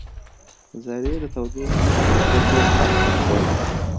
ذرې د تودوخې په لوړېدو تېز حرکت کوي.